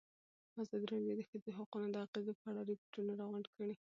ازادي راډیو د د ښځو حقونه د اغېزو په اړه ریپوټونه راغونډ کړي.